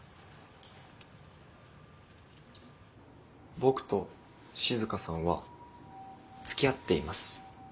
僕と静さんはつきあっています。